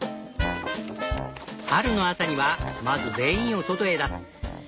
春の朝にはまず全員を外へ出す。